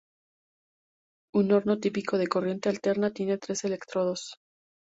Un horno típico de corriente alterna tiene tres electrodos.